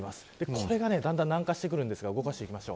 これがだんだん南下してきますが動かしていきます。